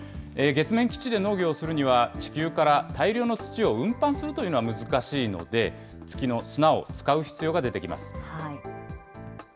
月面基地で農業するには、地球から大量の土を運搬するというのは難しいので、月の砂を使う必要が出てきます。